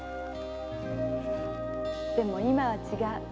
〔でも今は違う。